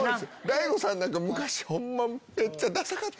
大悟さんなんか昔ホンマ。